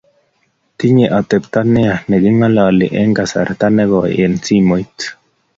Tinyei atepto ne ya ne king'ololi eng kasarta ne koi eng simoit.